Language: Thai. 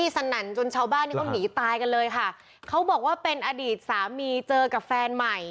สนั่นจนชาวบ้านนี่เขาหนีตายกันเลยค่ะเขาบอกว่าเป็นอดีตสามีเจอกับแฟนใหม่